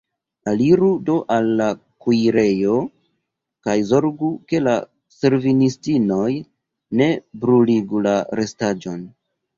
Aliru do al la kuirejo, kaj zorgu, ke la servistinoj ne bruligu la rostaĵon.